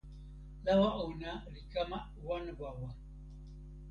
lawa ona li kama wan wawa.